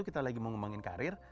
kita lagi mau ngembangin karir